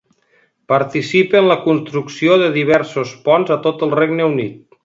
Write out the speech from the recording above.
Participa en la construcció de diversos ponts a tot el Regne Unit.